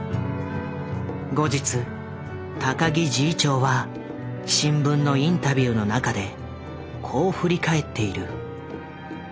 後日高木侍医長は新聞のインタビューの中でこう振り返っている。